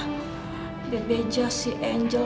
tidak beja si angel